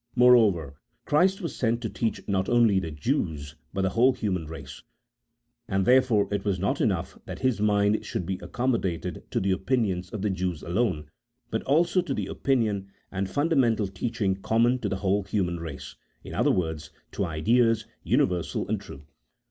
Moreover, Christ was sent to teach not only the Jews but the whole human race, and therefore it was not enough that His mind should be accommodated to the opinions of the Jews alone, but also to the opinion and fundamental teaching common to the whole human race — in other words, to ideas universal and true.